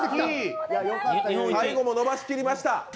最後も伸ばしきりました！